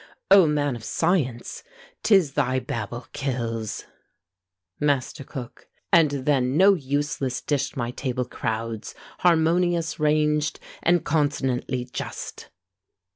O man of science! 'tis thy babble kills! MASTER COOK. And then no useless dish my table crowds; Harmonious ranged, and consonantly just.